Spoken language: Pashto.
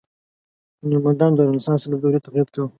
هنرمندانو د رنسانس له دورې تقلید کاوه.